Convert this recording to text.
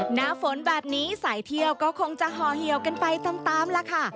หน้าฝนแบบนี้สายเที่ยวก็คงจะห่อเหี่ยวกันไปตามล่ะค่ะ